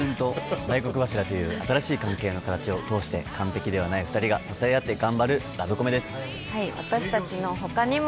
お嫁くんと大黒柱という新しい関係として完璧ではない２人が支え合っていくラブコメです。